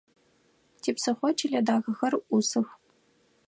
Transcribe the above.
Типсыхъо чылэ дахэхэр ӏусых.